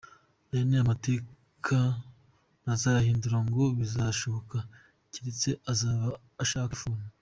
Aya ni amateka, nta n’uzayahindura ngo bizashoboke, cyeretse uzaba ashaka ifuni.